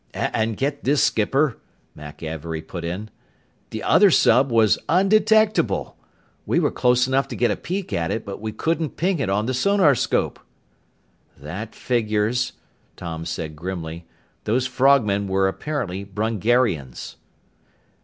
"And get this, skipper!" Mack Avery put in. "The other sub was undetectable! We were close enough to get a peek at it, but we couldn't ping it on the sonarscope." "That figures," Tom said grimly. "Those frogmen were apparently Brungarians."